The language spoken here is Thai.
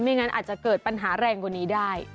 งั้นอาจจะเกิดปัญหาแรงกว่านี้ได้